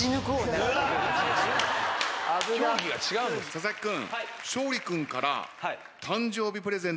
佐々木君。